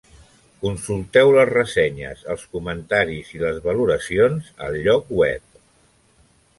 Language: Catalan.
Consulteu les ressenyes, els comentaris i les valoracions al lloc web.